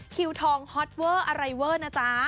คิวทองฮอตเวอร์อะไรเวอร์นะจ๊ะ